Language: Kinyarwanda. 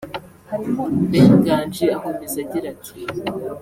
Ben Nganji akomeza agira ati